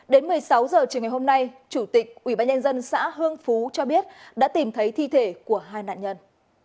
đến một mươi sáu h chiều ngày hôm nay chủ tịch ubnd xã hương phú cho biết đã tìm thấy thi thể của hai nạn nhân